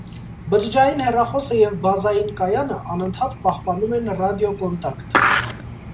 Բջջային հեռախոսը և բազային կայանը անընդհատ պահպանում են ռադիոկոնտակտ։